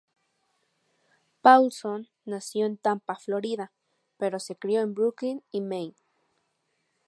Paulson nació en Tampa, Florida, pero se crio en Brooklyn y Maine.